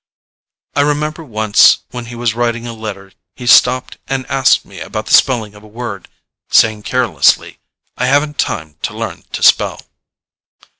I remember once when he was writing a letter he stopped and asked me about the spelling of a word, saying carelessly, "I haven't time to learn to spell."